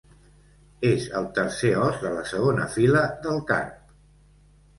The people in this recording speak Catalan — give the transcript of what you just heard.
És el tercer os de la segona fila del carp.